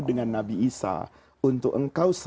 dengan nabi isa untuk